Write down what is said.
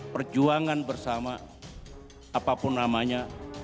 perjuangan bersama apapun namanya